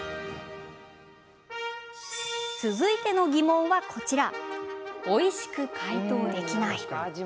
続いての疑問はこちら。